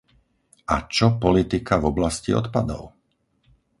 A čo politika v oblasti odpadov?